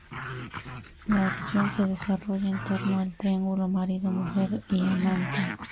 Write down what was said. La acción se desarrolla en torno al triángulo marido, mujer y amante.